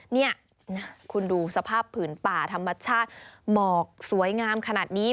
นี่คุณดูสภาพผืนป่าธรรมชาติหมอกสวยงามขนาดนี้